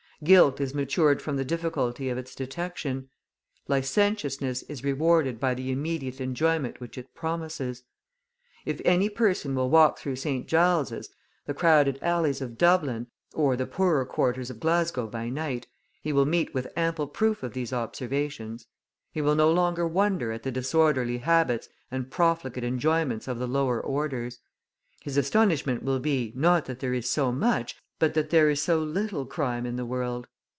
Guilt is matured from the difficulty of its detection; licentiousness is rewarded by the immediate enjoyment which it promises. If any person will walk through St. Giles's, the crowded alleys of Dublin, or the poorer quarters of Glasgow by night, he will meet with ample proof of these observations; he will no longer wonder at the disorderly habits and profligate enjoyments of the lower orders; his astonishment will be, not that there is so much, but that there is so little crime in the world.